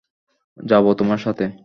যাব তোমার সাথে।